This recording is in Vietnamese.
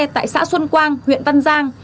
tại xã xuân quang huyện tân giang